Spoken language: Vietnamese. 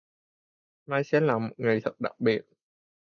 Mai sẽ là một ngày thật đặc biệt